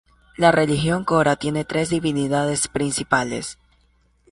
La religión cora tiene tres divinidades principales.